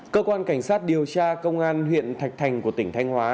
cơ quan cảnh sát điều tra công an huyện thạch thành của tỉnh thanh hóa